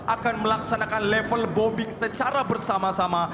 akan melaksanakan level bombing secara bersama sama